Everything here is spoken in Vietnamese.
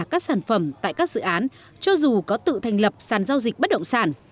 các sản phẩm tại các dự án cho dù có tự thành lập sàn giao dịch bất động sản